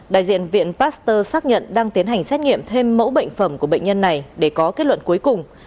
đại diện viện pasteur xác nhận đang tiến hành xét nghiệm thêm mẫu bệnh phẩm của bệnh nhân này để có kết luận cuối cùng